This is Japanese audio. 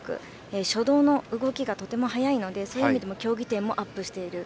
初動の動きがとても速いのでそういう意味でもとてもアップしている。